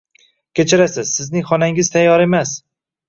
Kechirasiz, sizning xonangiz tayyor emas.